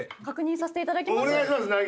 確認させていただきます。